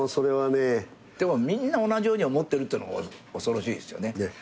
でもみんな同じように思ってるってのも恐ろしいですよね。